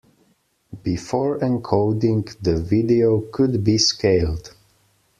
Before encoding, the video could be scaled.